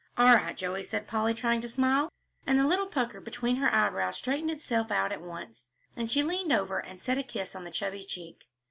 "All right, Joey," said Polly, trying to smile, and the little pucker between her eyebrows straightened itself out at once. And she leaned over and set a kiss on the chubby cheek.